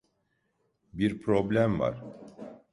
Bir problem var.